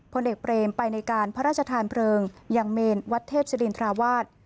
พลเอกเปรมไปในการพระราชทานเพลิงอย่างเมนวัดเทพศิรินทราวาส